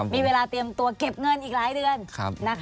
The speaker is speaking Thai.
มีเวลาเตรียมตัวเก็บเงินอีกหลายเดือน